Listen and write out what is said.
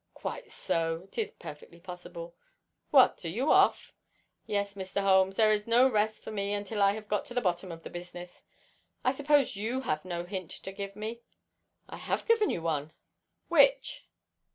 "Quite so; it is perfectly possible. What, are you off?" "Yes, Mr. Holmes; there is no rest for me until I have got to the bottom of the business. I suppose you have no hint to give me?" "I have given you one." "Which?"